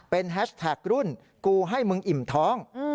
เป็นแฮชแท็กรุ่นกูให้มึงอิ่มท้อง